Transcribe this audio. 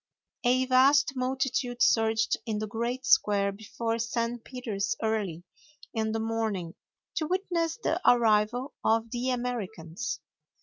A vast multitude surged in the great square before St. Peter's early in the morning to witness the arrival of the Americans.